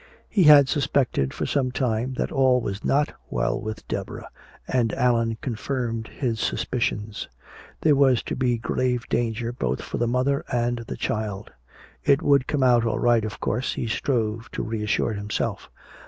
He had suspected for some time that all was not well with Deborah, and Allan confirmed his suspicions. There was to be grave danger both for the mother and the child. It would come out all right, of course, he strove to reassure himself.